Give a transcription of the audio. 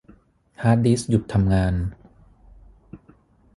ฮาร์ดดิสก์หยุดทำงาน